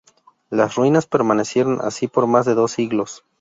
Las ruinas permanecieron así por más de dos siglos.